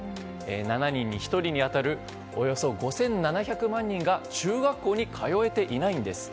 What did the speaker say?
７人に１人に当たるおよそ５７００万人が中学校に通えていないんです。